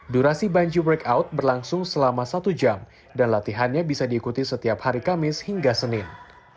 durasi bungee break out berlangsung selama satu jam dan latihannya bisa diikuti setiap hari kamis hingga senin